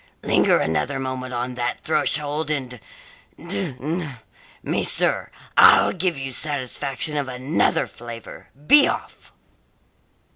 "Linger another moment on that threshold, and d n me, sir, I'll give you satisfaction of another flavour! Be off!"